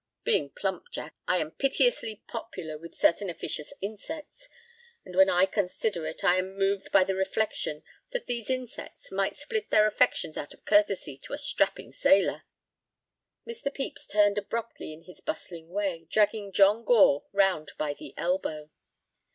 Being plump, Jack, I am piteously popular with certain officious insects, and when I consider it, I am moved by the reflection that these insects might split their affections out of curtesy to a strapping sailor." Mr. Pepys turned abruptly in his bustling way, dragging John Gore round by the elbow.